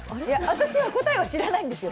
私は答えを知らないんですよ。